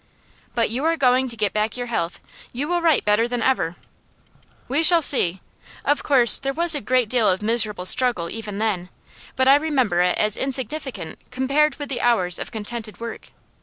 'But you are going to get back your health. You will write better than ever.' 'We shall see. Of course there was a great deal of miserable struggle even then, but I remember it as insignificant compared with the hours of contented work.